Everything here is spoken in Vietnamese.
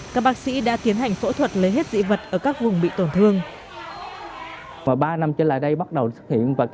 các bác sĩ đã tiến hành phẫu thuật lấy hết